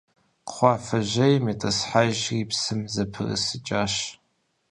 Кхъуафэжьейм итӏысхьэхэри псым зэпрысыкӏащ.